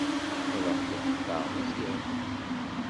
Ad aɣ-d-iqeṭṭeɛ Meẓyan.